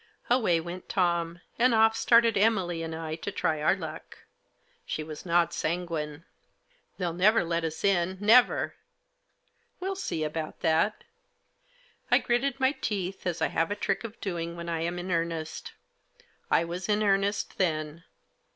Away went Tom ; and off started Emily and I to try our luck. She was not sanguine, " They'll never let us in, never !" "We'll see about that" I gritted my teeth, as I have a trick of doing when I am in earnest. I was in earnest then.